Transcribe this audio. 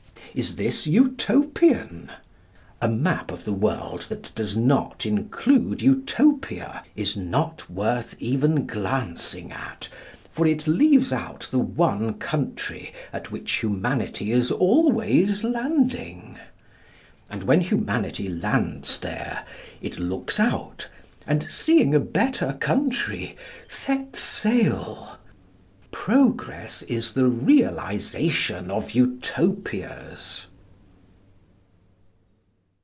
Is this Utopian? A map of the world that does not include Utopia is not worth even glancing at, for it leaves out the one country at which Humanity is always landing. And when Humanity lands there, it looks out, and, seeing a better country, sets sail. Progress is the realisation of Utopias.